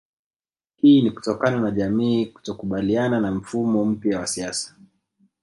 Hii ni kutokana na jamii kutokubaliana na mfumo mpya wa siasa